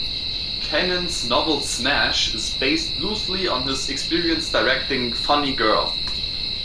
Kanin's novel "Smash" is based loosely on his experience directing "Funny Girl".